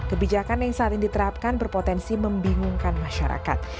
kebijakan yang selalu diterapkan berpotensi membingungkan masyarakat